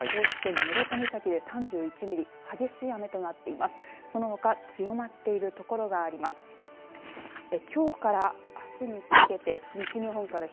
室戸岬で３１ミリ激しい雨となっています。